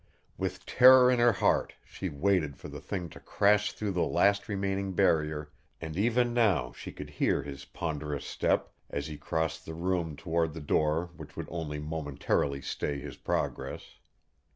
With terror in her heart she waited for the thing to crash through the last remaining barrier, and even now she could hear his ponderous step as he crossed the room toward the door which would only momentarily stay his progress.